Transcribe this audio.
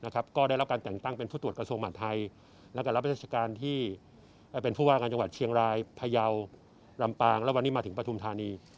ก็ได้รับการแต่งตั้งเป็นผู้ตรวจกระทรวงมหาดไทยและการรับราชการที่เป็นผู้ว่าการจังหวัดเชียงรายพยาวลำปางแล้ววันนี้มาถึงปฐุมธานี